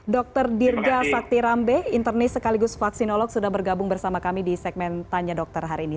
dr dirga sakti rambe internis sekaligus vaksinolog sudah bergabung bersama kami di segmen tanya dokter hari ini